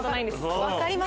分かります。